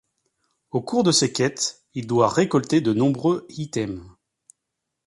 Au cours de ses quêtes, il doit récolter de nombreux items.